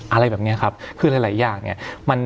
อะไรแบบนี้ครับคือหลายอย่างเนี่ย